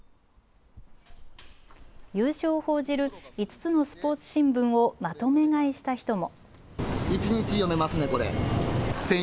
優勝を報じる５つのスポーツ新聞をまとめ買いした人も。